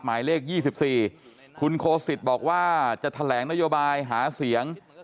หมายเลข๒๔คุณโคสิตบอกว่าจะแถลงนโยบายหาเสียง